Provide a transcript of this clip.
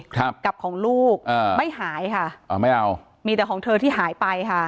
ครับกับของลูกอ่าไม่หายค่ะอ่าไม่เอามีแต่ของเธอที่หายไปค่ะ